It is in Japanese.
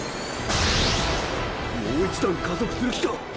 もう一段加速する気か！